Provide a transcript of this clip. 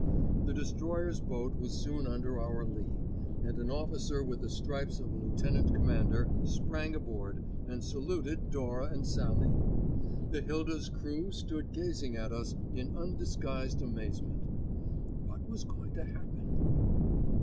The destroyer's boat was soon under our lee, and an officer with the stripes of a lieutenant commander sprang aboard and saluted Dora and Sallie. The Hilda's crew stood gazing at us in undisguised amazement. What was going to happen?